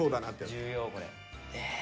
重要これ。